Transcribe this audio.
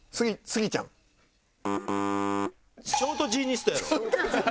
ショートジーニストって。